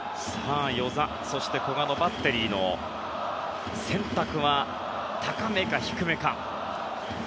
與座、そして古賀のバッテリーの選択は高めか、低めか。